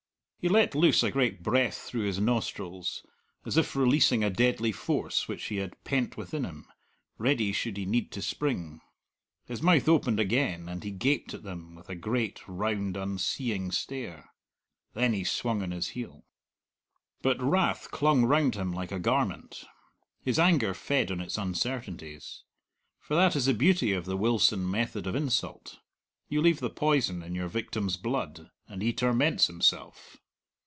He let loose a great breath through his nostrils, as if releasing a deadly force which he had pent within him, ready should he need to spring. His mouth opened again, and he gaped at them with a great, round, unseeing stare. Then he swung on his heel. But wrath clung round him like a garment. His anger fed on its uncertainties. For that is the beauty of the Wilson method of insult: you leave the poison in your victim's blood, and he torments himself.